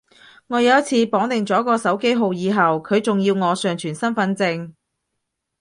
我有一次綁定咗個手機號以後，佢仲要我上傳身份證